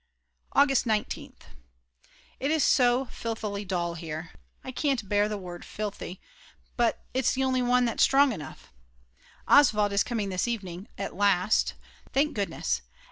August 19th. It is so filthyly dull here; I can't bear the word filthy, but it's the only one that's strong enough. Oswald is coming this evening, at last. Thank goodness.